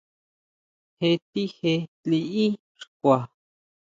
Jetije liʼí xkua.